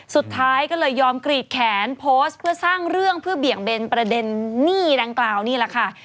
สุดท้ายก็เลยยอมกรีดแขนโพสต์เพื่อสร้างเรื่องเพื่อเบี่ยงเบนประเด็นหนี้ดังกล่าวนี่แหละค่ะ